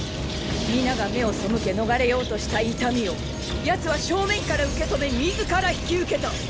皆が目を背け逃れようとした痛みをヤツは正面から受け止め自ら引き受けた。